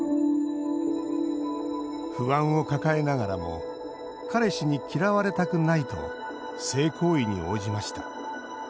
不安を抱えながらも彼氏に嫌われたくないと性行為に応じました。